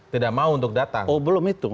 tidak mau untuk data oh belum itu